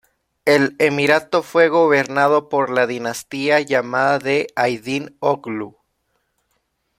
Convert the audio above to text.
El emirato fue gobernado por la dinastía llamada de Aydin-oghlu.